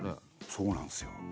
そうなんですよ。